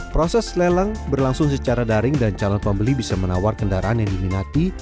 proses lelang berlangsung secara daring dan calon pembeli bisa menawar kendaraan yang diminati